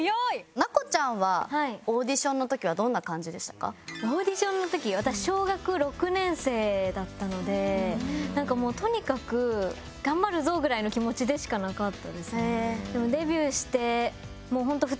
奈子ちゃんはオーディションの時私小学６年生だったのでなんかもうとにかく頑張るぞぐらいの気持ちでしかなかったですね。